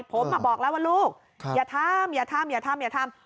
ผมอะบอกแล้วว่าลูกอย่าทำอย่าทำอย่าทำ